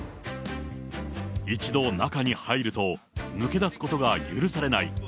一度中に入ると、抜け出すことが許されない